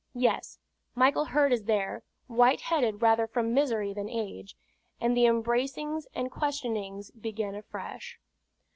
Yes, Michael Heard is there, white headed rather from misery than age; and the embracings and questionings begin afresh.